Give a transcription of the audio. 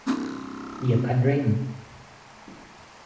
เหยียบคันเร่ง